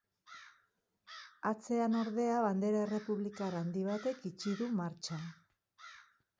Atzean, ordea, bandera errepublikar handi batek itxi du martxa.